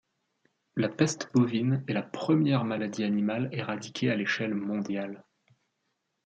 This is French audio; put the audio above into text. La peste bovine est la première maladie animale éradiquée à l'échelle mondiale.